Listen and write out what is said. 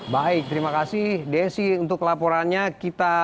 baik terima kasih desi untuk laporannya